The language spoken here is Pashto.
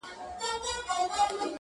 نور مي له سترگو څه خوبونه مړه سول_